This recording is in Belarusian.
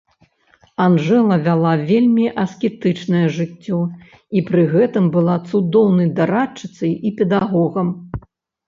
Анжэла вяла вельмі аскетычнае жыццё і пры гэтым была цудоўнай дарадчыцай і педагогам.